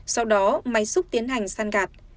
sau đó máy xúc tiến hành săn gạt